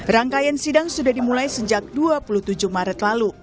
rangkaian sidang sudah dimulai sejak dua puluh tujuh maret lalu